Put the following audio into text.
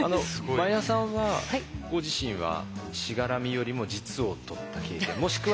真矢さんはご自身はしがらみよりも実をとった経験もしくは。